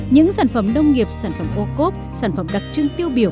những sản phẩm nông nghiệp sản phẩm ô cốp sản phẩm đặc trưng tiêu biểu